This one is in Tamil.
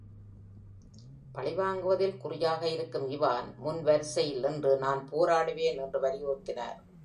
பழிவாங்குவதில் குறியாக இருக்கும் இவான் முன் வரிசையில் நின்று நான் போராடுவேன் என்று வலியுறுத்தினார்.